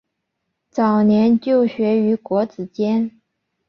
早年就学于国子监。